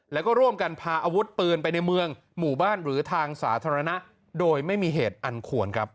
แล้วก็ร่วมกันพาอาวุธปืนไปในเมืองหมู่บ้านหรือทางสาธารณะโดยไม่มีเหตุอันควรครับ